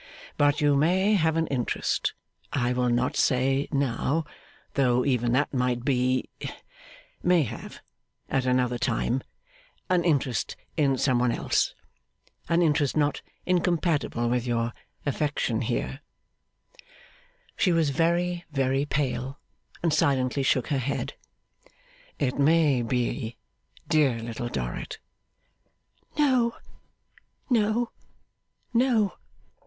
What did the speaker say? But you may have an interest I will not say, now, though even that might be may have, at another time, an interest in some one else; an interest not incompatible with your affection here.' She was very, very pale, and silently shook her head. 'It may be, dear Little Dorrit.' 'No. No. No.